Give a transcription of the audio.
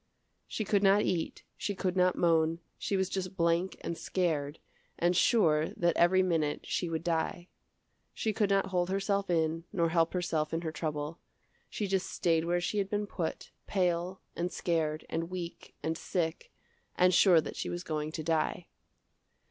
She could not eat, she could not moan, she was just blank and scared, and sure that every minute she would die. She could not hold herself in, nor help herself in her trouble. She just staid where she had been put, pale, and scared, and weak, and sick, and sure that she was going to die.